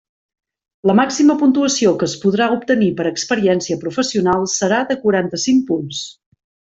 La màxima puntuació que es podrà obtenir per experiència professional serà de quaranta-cinc punts.